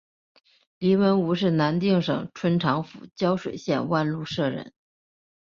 黎文敔是南定省春长府胶水县万禄社人。